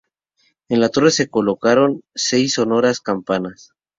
En la torre se colocaron seis sonoras campanas.